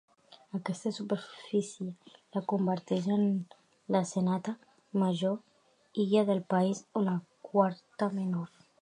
Aquesta superfície la converteix en la setena major illa del país o la quarta menor.